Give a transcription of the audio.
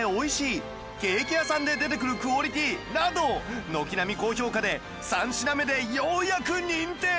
「ケーキ屋さんで出てくるクオリティー」など軒並み高評価で３品目でようやく認定！